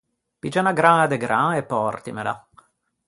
Piggia unna graña de gran e pòrtimela.